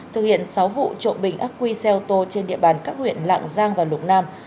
thực hiện sáu vụ trộm bình ác quy xe ô tô trên địa bàn các huyện lạng giang và lục nam